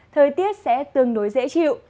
thời tiết sẽ tương đối dễ chịu